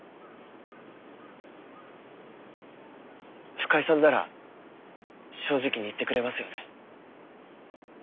深井さんなら正直に言ってくれますよね？